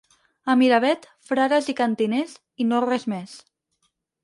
A Miravet, frares i cantiners, i no res més.